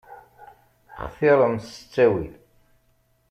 Xtiṛem s ttawil.